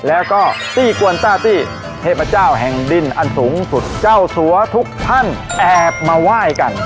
แล้วก็ตี้กวนต้าตี้เทพเจ้าแห่งดินอันสูงสุดเจ้าสัวทุกท่านแอบมาไหว้กัน